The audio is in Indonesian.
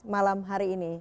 malam hari ini